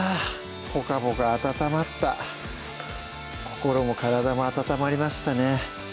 ポカポカ温まった心も体も温まりましたね